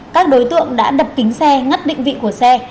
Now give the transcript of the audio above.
các đối tượng đã đập kính xe ngắt định vị của xe